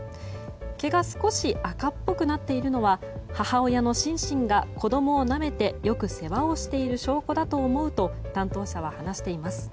毛が少し赤っぽくなっているのは母親のシンシンが子供をなめてよく世話をしている証拠だと思うと担当者は話しています。